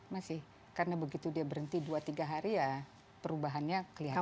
masih karena begitu dia berhenti dua tiga hari ya perubahannya kelihatan